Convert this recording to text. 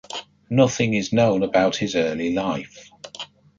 Nothing is known about his early life.